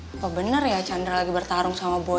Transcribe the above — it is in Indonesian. apa benar ya chandra lagi bertarung sama boy